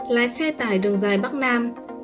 lái xe tải đường dài bắc nam